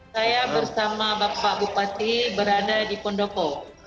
saya bersama bapak bupati berada di pondoko